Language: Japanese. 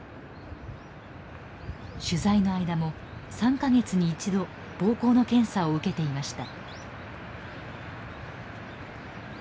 取材の間も３か月に１度膀胱の検査を受けていました。